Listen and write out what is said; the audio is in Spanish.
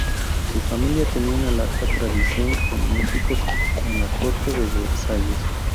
Su familia tenía una larga tradición como músicos en la corte de Versalles.